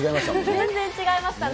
全然違いましたね。